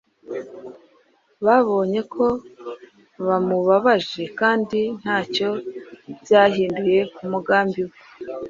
Babonye ko bamubabaje kandi nta cyo byahinduye ku mugambi we,